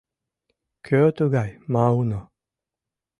— Кӧ тугай Мауно?